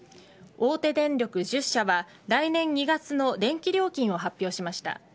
大手電力１０社は来年２月の電気料金を発表しました。